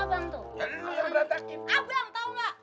abang tahu gak